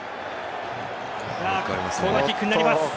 コーナーキックになります。